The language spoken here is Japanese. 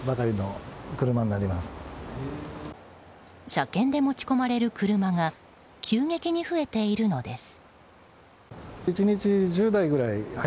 車検で持ち込まれる車が急激に増えているのです。